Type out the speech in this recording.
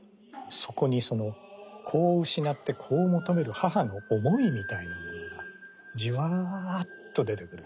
そこに子を失って子を求める母の思いみたいなものがジワっと出てくるんですね。